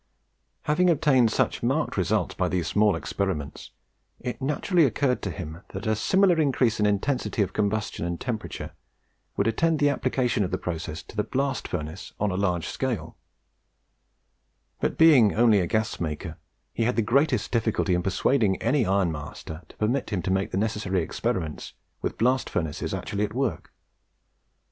Having obtained such marked results by these small experiments, it naturally occurred to him that a similar increase in intensity of combustion and temperature would attend the application of the process to the blast furnace on a large scale; but being only a gas maker, he had the greatest difficulty in persuading any ironmaster to permit him to make the necessary experiment's with blast furnaces actually at work.